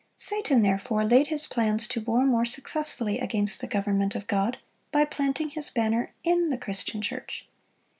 Satan therefore laid his plans to war more successfully against the government of God, by planting his banner in the Christian church.